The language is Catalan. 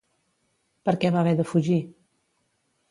Per què va haver de fugir?